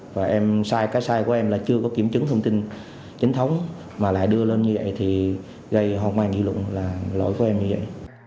và em sai cái sai của em là chưa có kiểm chứng thông tin chính thống mà lại đưa lên như vậy thì gây hoang mang dư luận là lỗi của em như vậy